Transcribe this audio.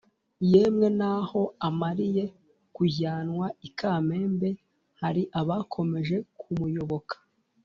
yemwe naho amariye kujyanwa i kamembe, hari abakomeje kumuyoboka.